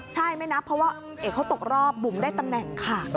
ใช่ไม่นับเพราะว่าเอกเขาตกรอบบุ๋มได้ตำแหน่งค่ะ